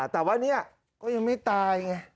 แต่วันนี้ก็ยังไม่ตายง่ะ